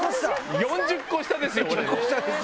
４０個下ですよ